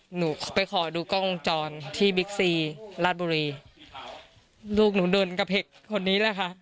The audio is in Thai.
หนูไปขอดูกล้องวงจรที่บิ๊กซีราชบุรีลูกหนูเดินกระเพกคนนี้แหละค่ะ